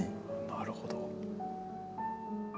なるほど。